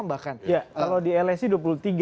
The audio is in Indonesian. bahkan ya kalau di lsi dua puluh tiga